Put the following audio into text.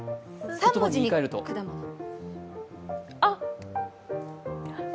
３文字に、果物。